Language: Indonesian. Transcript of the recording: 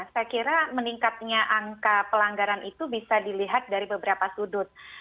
saya kira meningkatnya angka pelanggaran itu bisa dilihat dari beberapa sudut